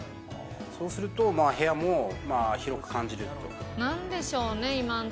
そうすると部屋も広く感じると。